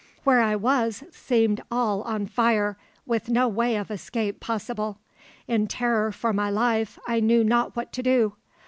Where I was seemed all on fire, with no way of escape possible. In terror for my life, I knew not what to do.